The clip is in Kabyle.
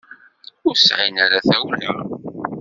Ur sɛin ara tawla.